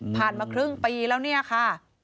มาครึ่งปีแล้วเนี่ยค่ะ